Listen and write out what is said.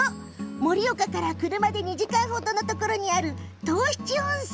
盛岡から車で２時間ほどのところにある藤七温泉。